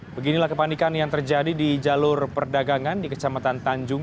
beginilah kepanikan yang terjadi di jalur perdagangan di kecamatan tanjung